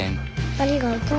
ありがとう。